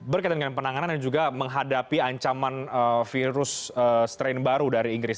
berkaitan dengan penanganan dan juga menghadapi ancaman virus strain baru dari inggris